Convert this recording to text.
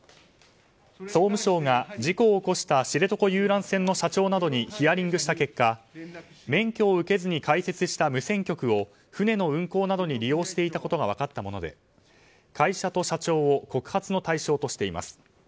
総務省が事故を起こした知床遊覧船の社長などにヒアリングした結果免許を受けずに開設した無線局を船の運航などに利用していたことが分かったもので、会社と社長を告発の対象としています。